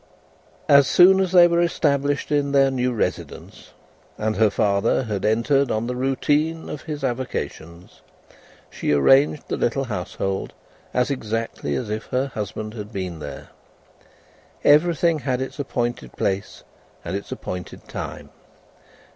As soon as they were established in their new residence, and her father had entered on the routine of his avocations, she arranged the little household as exactly as if her husband had been there. Everything had its appointed place and its appointed time.